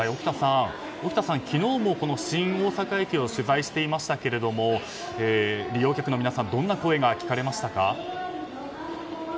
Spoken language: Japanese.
沖田さんは昨日も新大阪駅を取材していましたが利用客の皆さんからどんな声が聞かれましたか？